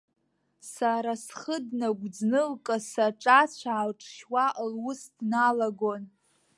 Сара схы днагәӡны, лкасы аҿацә аалҿшьуа лус дналагон.